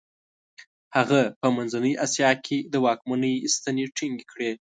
هغه په منځنۍ اسیا کې د واکمنۍ ستنې ټینګې کړې.